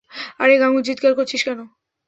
আরে গাঙু চিৎকার করছিস কেনো?